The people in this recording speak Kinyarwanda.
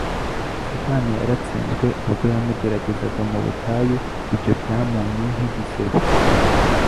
Satani yaratsinzwe, ubwo yamugerageza mu butayu; ibyo byamunye nk'igisebe.